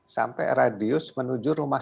sampai radius menuju rumah